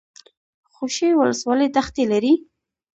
خوشي ولسوالۍ دښتې لري؟